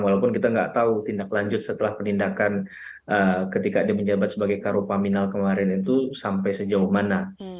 walaupun kita nggak tahu tindak lanjut setelah penindakan ketika dia menjabat sebagai karo paminal kemarin itu sampai sejauh mana